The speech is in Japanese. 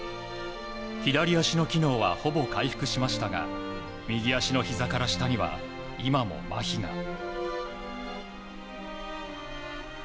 左足の機能はほぼ回復しましたが右足のひざから下には今もまひが。